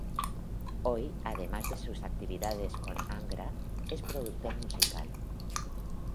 Hoy, además de sus actividades con Angra, es productor musical.